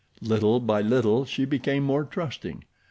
Little by little she became more trusting.